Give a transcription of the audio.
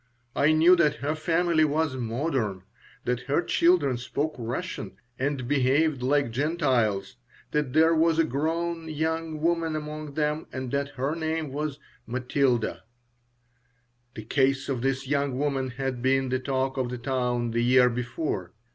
I knew that her family was "modern," that her children spoke Russian and "behaved like Gentiles," that there was a grown young woman among them and that her name was Matilda The case of this young woman had been the talk of the town the year before.